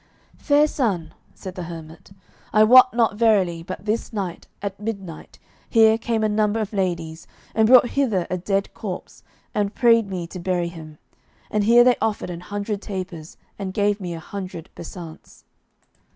"Fair son," said the hermit, "I wot not verily, but this night, at midnight, here came a number of ladies, and brought hither a dead corpse, and prayed me to bury him; and here they offered an hundred tapers, and gave me an hundred besants."